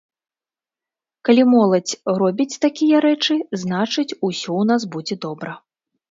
Калі моладзь робіць такія рэчы, значыць, усё ў нас будзе добра.